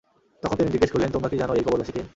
তখন তিনি জিজ্ঞেস করলেন, তোমরা কি জান, এই কবরবাসী কে?